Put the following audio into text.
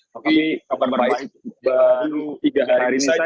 tapi baru tiga hari ini saja